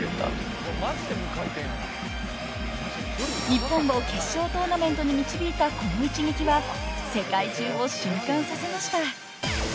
［日本を決勝トーナメントに導いたこの一撃は世界中を震撼させました］